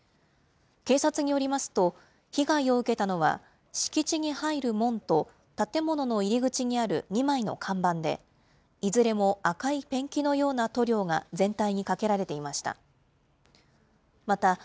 警察によりますと、被害を受けたのは敷地に入る門と、建物の入り口にある２枚の看板で、いずれも赤いペンキのような塗料が全体にかけられていました。